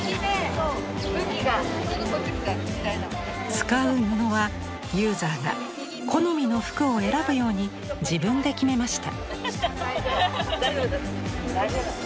使う布はユーザーが好みの服を選ぶように自分で決めました。